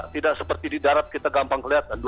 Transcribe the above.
tidak seperti di darat kita gampang kelihatan